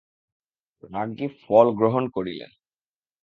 রাজ্ঞী ফল গ্রহণ করিলেন।